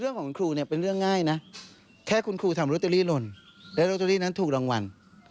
ของคุณครูเนี่ยเป็นเรื่องง่ายนะแค่คุณครูทำโรตเตอรี่หล่นและโรตเตอรี่นั้นถูกรางวัล